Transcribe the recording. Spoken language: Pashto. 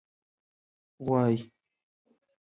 🐂 غوایی